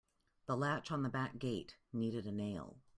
The latch on the back gate needed a nail.